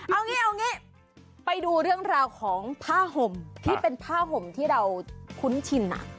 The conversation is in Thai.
เอางี้เอางี้ไปดูเรื่องราวของผ้าห่มที่เป็นผ้าห่มที่เราคุ้นชิน